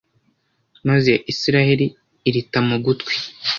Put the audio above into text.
maze Israheli irita mu gutwi.